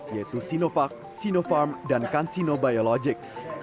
yaitu sinovac sinopharm dan kansino biologics